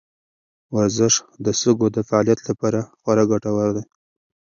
ورزش د سږو د فعالیت لپاره خورا ګټور دی.